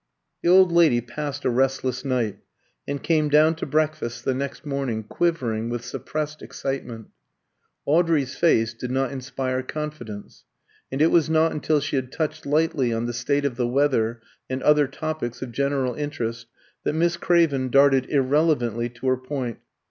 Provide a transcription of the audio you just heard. The old lady passed a restless night, and came down to breakfast the next morning quivering with suppressed excitement. Audrey's face did not inspire confidence; and it was not until she had touched lightly on the state of the weather, and other topics of general interest, that Miss Craven darted irrelevantly to her point.